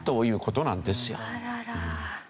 あらら。